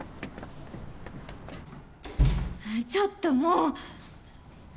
ちょっともう！